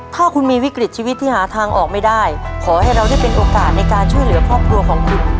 ถ้าคุณมีวิกฤตชีวิตที่หาทางออกไม่ได้ขอให้เราได้เป็นโอกาสในการช่วยเหลือครอบครัวของคุณ